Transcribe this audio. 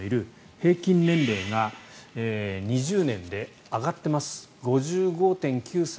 平均年齢が２０年で上がっています。